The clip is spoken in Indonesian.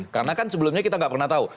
karena kan sebelumnya kita nggak pernah tahu